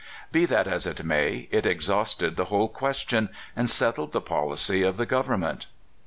Be that as it may, it exhausted the whole question, and settled the policy of the government.